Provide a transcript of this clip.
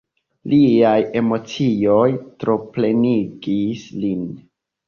Liaj emocioj troplenigis lin.